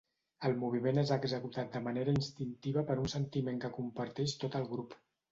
El moviment és executat de manera instintiva per un sentiment que comparteix tot el grup.